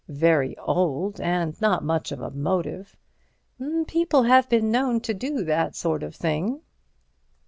"Very old—and not much of a motive." "People have been known to do that sort of thing.